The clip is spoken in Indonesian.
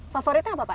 favoritnya apa pak